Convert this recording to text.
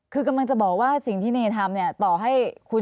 คือกำลังจะบอกว่าสิ่งที่เนทำเนี่ยต่อให้คุณ